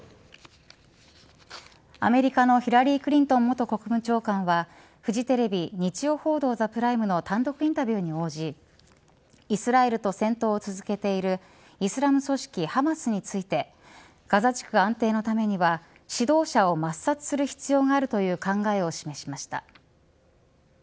アメリカのヒラリー・クリントン元国務長官はフジテレビ日曜報道ＴＨＥＰＲＩＭＥの単独インタビューに応じイスラエルと戦闘を続けているイスラム組織ハマスについてガザ地区安定のためには指導者を抹殺する必要があるとの考えを示しました。